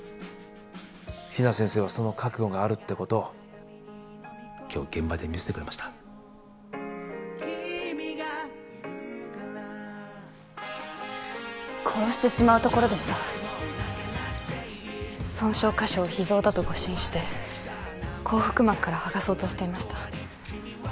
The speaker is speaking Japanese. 比奈先生はその覚悟があるってことを今日現場で見せてくれました殺してしまうところでした損傷箇所を脾臓だと誤診して後腹膜からはがそうとしていました